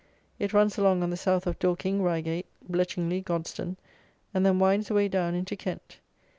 It runs along on the South of Dorking, Reigate, Bletchingley, Godstone, and then winds away down into Kent.